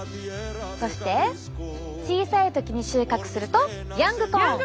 そして小さい時に収穫するとヤングコーン。